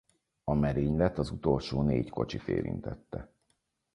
A merénylet az utolsó négy kocsit érintette.